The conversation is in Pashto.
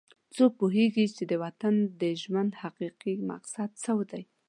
څوک پوهیږي چې د انسان د ژوند حقیقي مقصد څه ده